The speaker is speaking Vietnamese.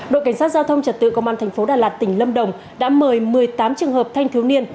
đội cảnh sát giao thông trật tự công an thành phố đà lạt tỉnh lâm đồng đã mời một mươi tám trường hợp thanh thiếu niên